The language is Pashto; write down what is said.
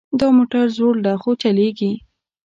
دا موټر زوړ ده خو چلیږي